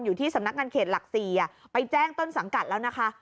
อยู่ที่สำนักงานเขตหลัก๔ไปแจ้งต้นสังกัดแล้วนะคะ